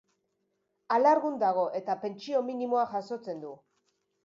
Alargun dago, eta pentsio minimoa jasotzen du.